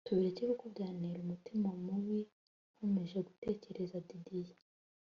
tubireke kuko byantera umutima mubi nkomeje gutekereza Didie